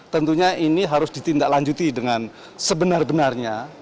tentunya ini harus ditindaklanjuti dengan sebenar benarnya